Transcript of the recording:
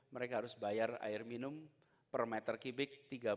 mereka harus bayar air minum per meter kubik tiga puluh